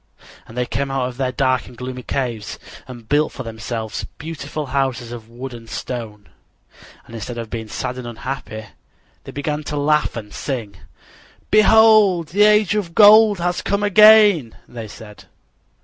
And they came out of their dark and gloomy caves and built for themselves beautiful houses of wood and stone. And instead of being sad and unhappy they began to laugh and sing. "Behold, the Age of Gold has come again," they said.